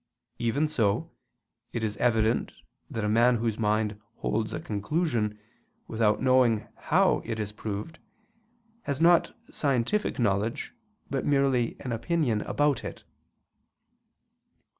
Even so, it is evident that a man whose mind holds a conclusion without knowing how it is proved, has not scientific knowledge, but merely an opinion about it.